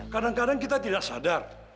kadang kadang kita tidak sadar